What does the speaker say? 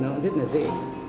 nó rất là dễ